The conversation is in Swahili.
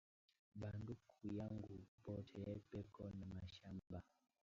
Ba nduku yangu bote beko na mashamba